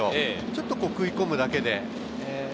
ちょっと食い込むだけで。